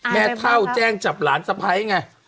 แม่เท่าแจ้งจับหลานสะพ้ายไง